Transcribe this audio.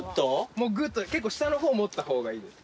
もうぐっと結構下の方持った方がいいです。